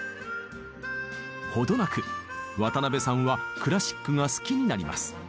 程なく渡辺さんはクラシックが好きになります。